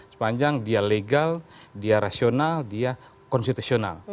sepanjang dia legal dia rasional dia konstitusional